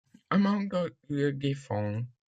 Amanda le défend.